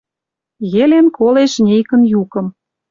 Елен колеш жнейкын юкым.